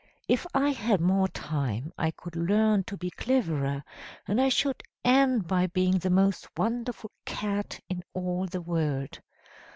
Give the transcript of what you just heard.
If I had more time I could learn to be cleverer, and I should end by being the most wonderful Cat in all the world.'